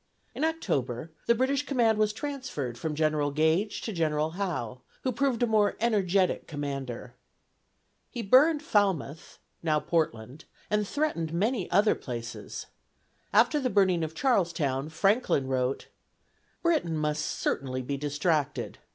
In October, the British command was transferred from General Gage to General Howe, who proved a more energetic commander. He burned Falmouth (now Portland), and threatened many other places. After the burning of Charlestown, Franklin wrote: "Britain must certainly be distracted.